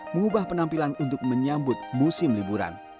mengubah penampilan untuk menyambut musim liburan